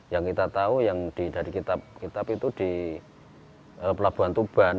yang kita tahu yang dari kitab kitab itu di pelabuhan tuban